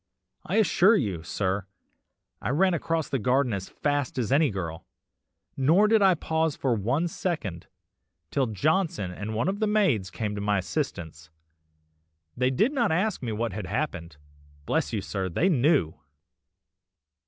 I can assure you, sir, I ran across the garden as fast as any girl, nor did I pause for one second, till Johnson and one of the maids came to my assistance. They did not ask me what had happened, bless you sir, they knew!